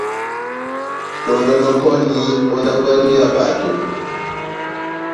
Tɔ́ndɔnɔkɔni ó ndábo yanywu ya bato.